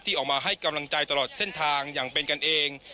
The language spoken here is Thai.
ออกมาให้กำลังใจตลอดเส้นทางอย่างเป็นกันเอง